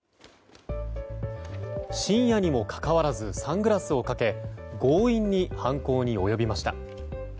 深夜にもかかわらずサングラスをかけ強引に犯行に及びました。